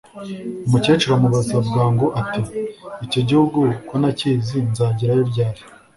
Umukecuru amubaza bwangu ati “icyo gihugu ko ntakizi nzagerayo ryari